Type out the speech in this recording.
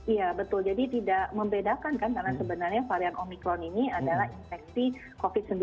iya betul jadi tidak membedakan kan karena sebenarnya varian omikron ini adalah infeksi covid sembilan belas